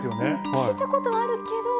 聞いたことはあるけど。